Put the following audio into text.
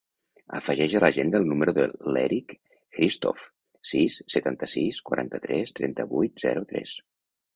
Afegeix a l'agenda el número de l'Eric Hristov: sis, setanta-sis, quaranta-tres, trenta-vuit, zero, tres.